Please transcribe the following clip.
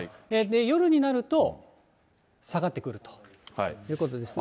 夜になると、下がってくるということですね。